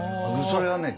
それはね